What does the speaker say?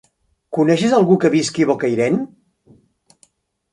Coneixes algú que visqui a Bocairent?